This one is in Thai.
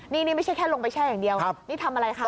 นี่ไม่ใช่แค่ลงไปแช่อย่างเดียวนี่ทำอะไรคะ